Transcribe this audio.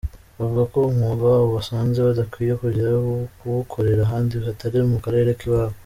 Bavuga ko umwuga wabo basanze badakwiye kujya kuwukorera ahandi hatari mu karere k’iwabo.